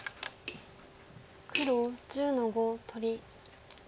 黒１０の五取り。